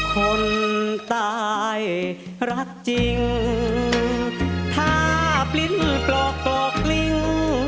คนตายรักจริงถ้าพลิดมือกลอกกลอกลิ้ง